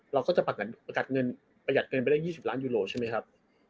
เราก็จะประกัดเงินประหยัดเงินไปได้๒๐ล้านยูโรใช่ไหมครับ